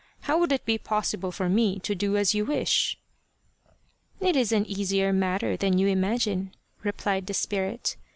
How would it be possible for me to do as you wish ?"" It is an easier matter than you imagine," replied the spirit.